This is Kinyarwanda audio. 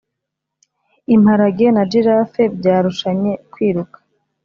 imparage na giraffe byarushanye kwiruka